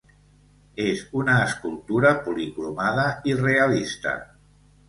És una escultura policromada i realista.